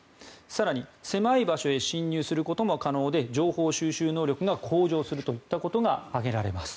更に狭い場所へ侵入することも可能で情報収集能力が向上するといったことが挙げられます。